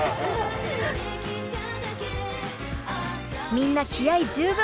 みんな気合い十分！